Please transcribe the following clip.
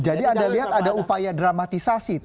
jadi anda lihat ada upaya dramatisasi gitu ya